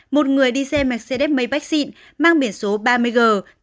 một người đi xe mercedes maybac xịn mang biển số ba mươi g tám mươi bảy nghìn bảy trăm năm mươi năm